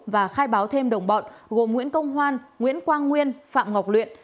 và khai báo thêm đồng bọn gồm nguyễn công hoan nguyễn quang nguyên phạm ngọc luyện